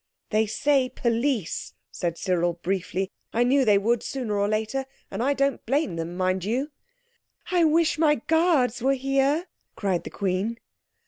"They say 'Police!'," said Cyril briefly. "I knew they would sooner or later. And I don't blame them, mind you." "I wish my guards were here!" cried the Queen.